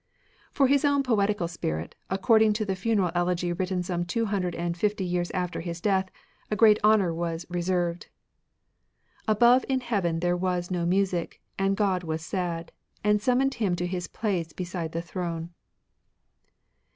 For his own poetical spirit, according to the funeral elegy wri^Mi some two hundred and fifty years after his death, a great honour was re served :— Above in heaven there was no music, and God was sad, And summoned him to his place beside the Throne.